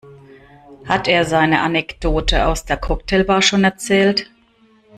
Hat er seine Anekdote aus der Cocktailbar schon erzählt?